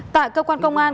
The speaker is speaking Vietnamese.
tại cơ quan công an